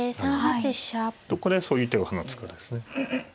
どこでそういう手を放つかですね。